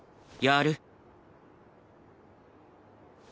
やる！